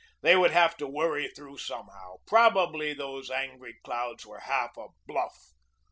They would have to worry through somehow. Probably those angry clouds were half a bluff.